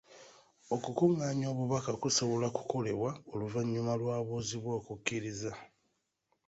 Okukungaanya obubaka kusobola kukolebwa oluvanyuma lw'abuuzibwa okukiriza.